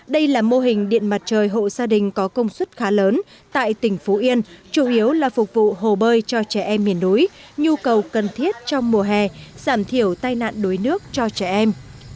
đây là mô hình điện mặt trời hộ gia đình có công suất khá lớn tại tỉnh phú yên chủ yếu là phục vụ hồ bơi cho trẻ em miền núi nhu cầu cần thiết trong mùa hè giảm thiểu tai nạn đuối nước cho trẻ em